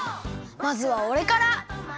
まずはおれから！